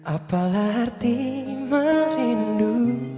apalah arti merindu